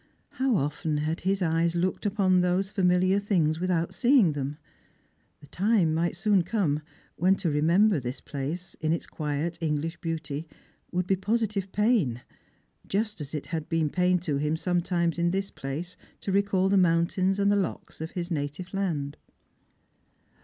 How often had his eyes looked upon these familiar things without seeing them ! The time might soon come when to remember this place, in its quiet English beauty, would be positive pain, just as it had been pain to him some times in this place to recall the mountains and the lochs ot his native land.